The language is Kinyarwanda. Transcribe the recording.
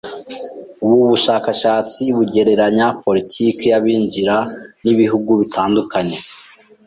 Ubu bushakashatsi bugereranya politiki y’abinjira n’ibihugu bitandukanye.